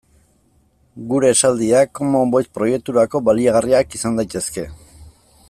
Gure esaldiak Common Voice proiekturako baliagarriak izan daitezke.